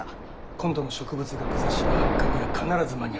今度の植物学雑誌の発刊には必ず間に合わせると。